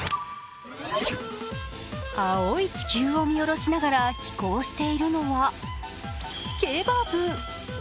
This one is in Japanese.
青い地球を見下ろしながら飛行しているのはケバブ。